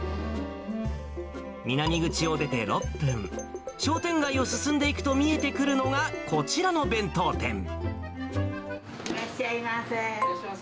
南口を出て６分、商店街を進んでいくと見えてくるのが、こちらのいらっしゃいませ。